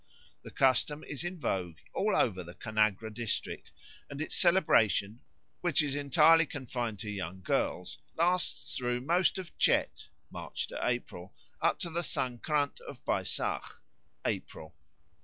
The custom is in vogue all over the Kanagra district, and its celebration, which is entirely confined to young girls, lasts through most of Chet (March April) up to the Sankrânt of Baisâkh (April).